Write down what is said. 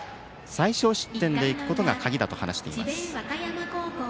最少失点で行くことが鍵だと話しています。